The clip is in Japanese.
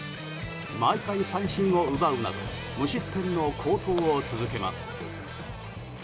毎回、三振を奪うなど無失点の好投を続けます。